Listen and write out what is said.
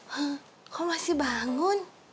hah kok masih bangun